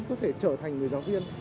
có thể trở thành người giáo viên